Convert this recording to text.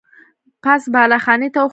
پاس بالا خانې ته وخوته.